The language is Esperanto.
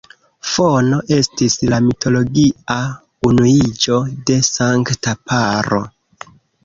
Fono estis la mitologia unuiĝo de sankta paro.